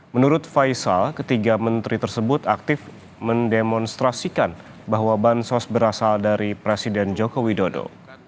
menurut faisal ketiga menteri tersebut aktif mendemonstrasikan bahwa bansos berasal dari presiden joko widodo